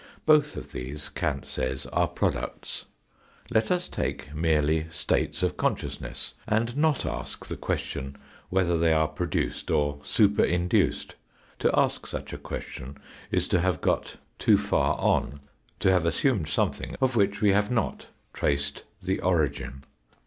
Both of these, Kant says, are products. Let us take merely states of consciousness, and not ask the question whether they are produced or superinduced to ask such a question is to have got too far on, to have assumed something of which we have not traced the origin.